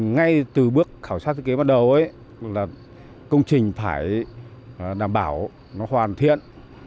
ngay từ bước khảo sát thiết kế bắt đầu là công trình phải đảm bảo nó hoàn thiện